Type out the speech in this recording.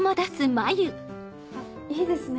あっいいですね。